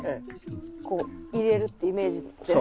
こう入れるってイメージです。